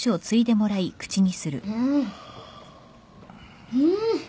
うんうん。